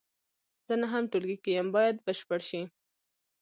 زه نهم ټولګي کې یم باید بشپړ شي.